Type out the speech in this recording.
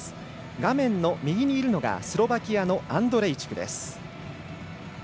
画面の右にいるのがスロバキアのアンドレイチクです。